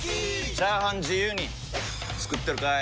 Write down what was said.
チャーハン自由に作ってるかい！？